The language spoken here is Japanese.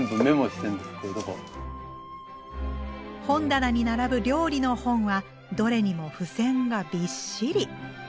本棚に並ぶ料理の本はどれにも付箋がびっしり。